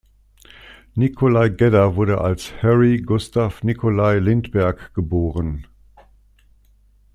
Nicolai Gedda wurde als Harry Gustaf Nikolai Lindberg geboren.